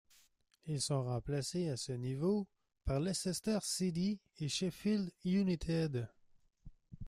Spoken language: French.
Ils sont remplacés à ce niveau par Leicester City et Sheffield United.